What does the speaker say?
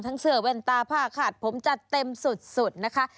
เสื้อแว่นตาผ้าขาดผมจัดเต็มสุดนะคะ